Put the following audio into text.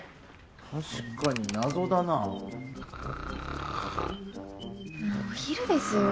確かに謎だなあもうお昼ですよ